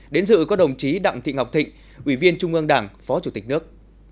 đến dự có đồng chí đặng thị ngọc thịnh ủy viên trung ương đảng phó chủ tịch nước